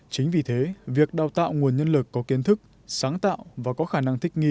chính vì thế việc đào tạo nguồn nhân lực có kiến thức sáng tạo và có khả năng thích nghi